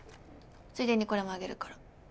ついでにこれもあげるから。